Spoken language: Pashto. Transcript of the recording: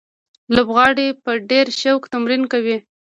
لوبغاړي په ډېر شوق تمرین کوي.